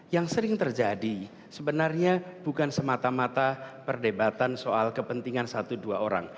yang sering terjadi sebenarnya bukan semata mata perdebatan soal kepentingan satu dua orang